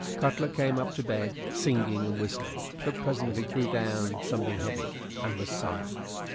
Cutler came up to bed, singing and whistling, but presently threw down something heavy, and was silent.